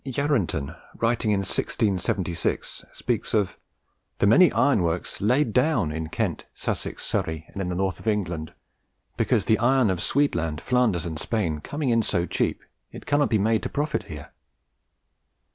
Yarranton, writing in 1676, speaks of "the many iron works laid down in Kent, Sussex, Surrey, and in the north of England, because the iron of Sweadland, Flanders, and Spain, coming in so cheap, it cannot be made to profit here."